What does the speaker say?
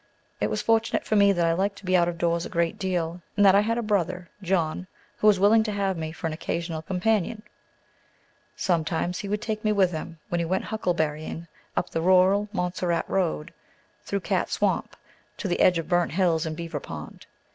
It was fortunate for me that I liked to be out of doors a great deal, and that I had a brother, John, who was willing to have me for an occasional companion. Sometimes he would take me with him when he went huckleberrying, up the rural Montserrat Road, through Cat Swamp, to the edge of Burnt Hills and Beaver Pond.